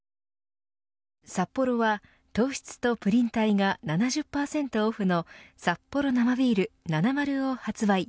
サッポロは、糖質とプリン体が７０％オフのサッポロ生ビールナナマルを発売。